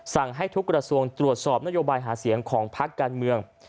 สั่งให้ทุกกระทรวงตรวจสอบนโยบายหาเสียงของพักการเมือง